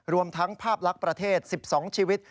รวมทั้งภาพลักษณ์ประเทศ๑๒ชีวิต